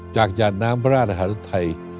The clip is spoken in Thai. จากยาดน้ำพระราชอาทิตย์ไทย